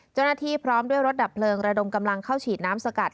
เจ้าหน้าที่พร้อมด้วยรถดับเพลิงระดมกำลังเข้าฉีดน้ำสกัด